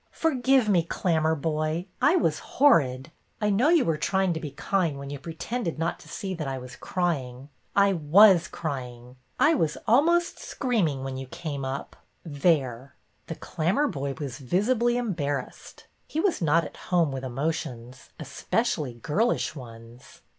Forgive me, Clammerboy. I was horrid. I know you were trying to be kind when you pre tended not to see that I was crying. I was cry ing. I was almost screaming when you came up. There !" 6 82 BETTY BAIRD'S VENTURES The Clammerboy was visibly embarrassed. He was not at home with emotions, especially girlish ones.